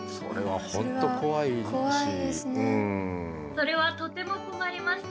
それはとても困りました。